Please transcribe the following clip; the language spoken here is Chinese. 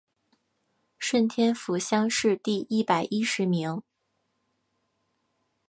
顺天府乡试第一百十一名。